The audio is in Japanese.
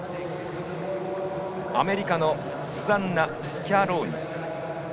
アメリカのスザンナ・スキャローニ。